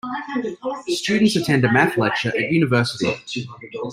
Students attend a math lecture at university.